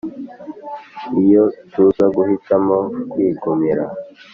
Iyo tuza guhitamo kwigumira